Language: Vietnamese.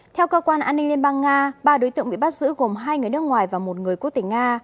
theo cơ quan an ninh liên bang nga ba đối tượng bị bắt giữ gồm hai người nước ngoài và một người quốc tỉnh nga